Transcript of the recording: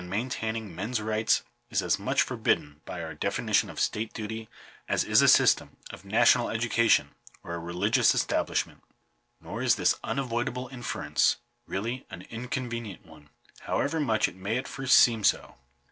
maintaining men's rights, is as much forbidden by our defini tion of state duty as is a system of national education, or a religious establishment. Nor is this unavoidable inference really an inconvenient one ; however much it may at first seem so.